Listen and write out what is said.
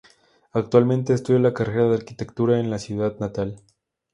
Actualmente estudia la carrera de arquitectura en su ciudad natal.